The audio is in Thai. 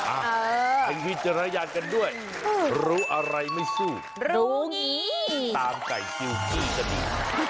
เออเอ็งวิจารณญาณกันด้วยรู้อะไรไม่สู้รู้งี้ตามไก่กิวให้ก็ดี